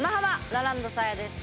ラランドサーヤです。